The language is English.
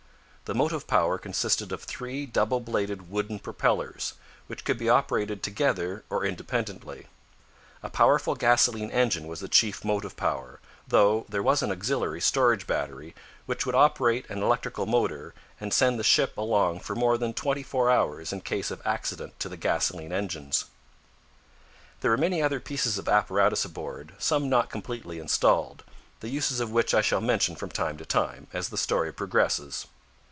The motive power consisted of three double bladed wooden propellers, which could be operated together or independently. A powerful gasoline engine was the chief motive power, though there was an auxiliary storage battery, which would operate an electrical motor and send the ship along for more than twenty four hours in case of accident to the gasoline engine. There were many other pieces of apparatus aboard, some not completely installed, the uses of which I shall mention from time to time, as the story progresses.